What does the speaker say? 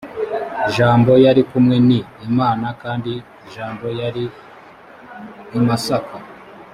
jambo yari kumwe ni imana kandi jambo yari imasaka